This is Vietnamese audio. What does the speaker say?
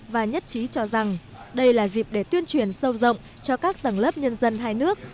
và nhất trí cho rằng đây là dịp để tuyên truyền sâu rộng cho các tầng lớp nhân dân hai nước